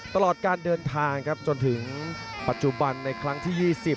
ตลอดการเดินทางครับจนถึงปัจจุบันในครั้งที่๒๐